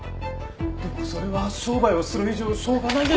でもそれは商売をする以上しょうがない。